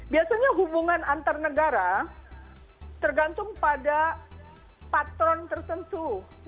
biasanya hubungan antar negara tergantung pada patron tertentu